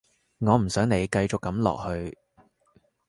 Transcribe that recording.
我唔想你繼續噉落去